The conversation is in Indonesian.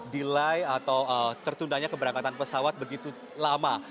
delay atau tertundanya keberangkatan pesawat begitu lama